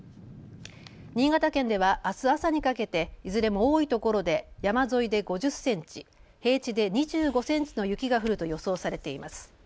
新潟県ではあす朝にかけていずれも多いところで山沿いで５０センチ、平地で２５センチの雪が降ると予想されています。